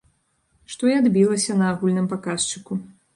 Што і адбілася на агульным паказчыку.